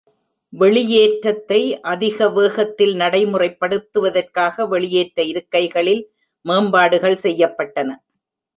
வெளியேற்றத்தை அதிக வேகத்தில் நடைமுறைப்படுத்துவதற்காக, வெளியேற்ற இருக்கைகளில் மேம்பாடுகள் செய்யப்பட்டன.